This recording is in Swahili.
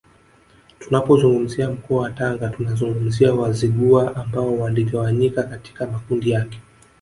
Tunapozungumzia mkoa wa Tanga tunazungumzia Wazigua ambao waligawanyika katika makundi yake